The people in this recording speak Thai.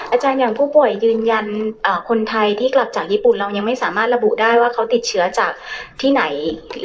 อย่างผู้ป่วยยืนยันคนไทยที่กลับจากญี่ปุ่นเรายังไม่สามารถระบุได้ว่าเขาติดเชื้อจากที่ไหน